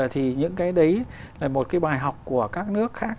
thì những cái đấy là một cái bài học của các nước khác